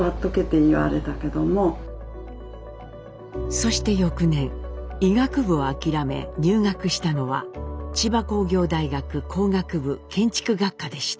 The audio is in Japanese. そして翌年医学部を諦め入学したのは千葉工業大学工学部建築学科でした。